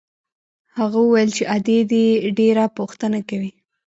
هغه وويل چې ادې دې ډېره پوښتنه کوي.